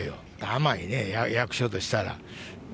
甘いね、役所としたら。